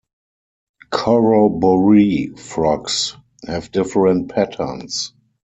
Corroboree frogs have different patterns.